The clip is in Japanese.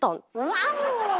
ワオ！